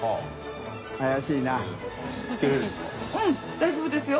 Δ大丈夫ですよ！